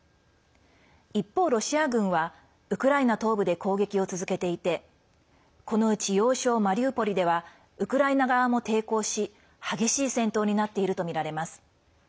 一方、ロシア軍はウクライナ東部で攻撃を続けていてこのうち、要衝マリウポリではウクライナ側も抵抗し激しい戦闘になっているとみられます。